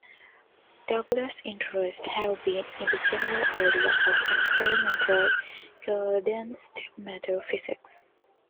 Douglass' interests have been in the general area of Experimental Condensed Matter Physics.